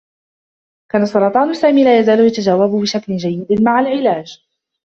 كان سرطان سامي لا يزال يتجاوب بشكل جيّد مع العلاج.